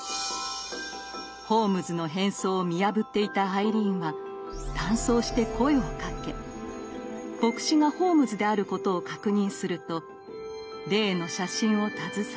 ホームズの変装を見破っていたアイリーンは男装して声をかけ牧師がホームズであることを確認すると例の写真を携え